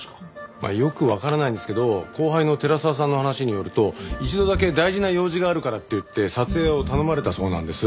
まあよくわからないんですけど後輩の寺沢さんの話によると一度だけ大事な用事があるからっていって撮影を頼まれたそうなんです。